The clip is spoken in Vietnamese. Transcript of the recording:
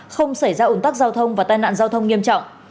không xảy ra ủn tắc giao thông và tai nạn giao thông nghiêm trọng